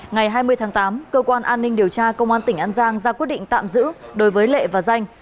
ngày hai mươi tháng tám cơ quan an ninh điều tra công an tỉnh an giang ra quyết định tạm giữ đối với lệ và danh